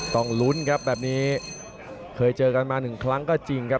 ต้องลุ้นครับแบบนี้เคยเจอกันมาหนึ่งครั้งก็จริงครับ